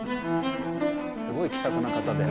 すごい気さくな方で。